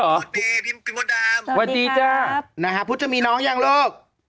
โอเคพี่มดดามสวัสดีจ้ะพุธจะมีน้องหรือยังลูก